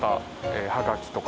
はがきとか。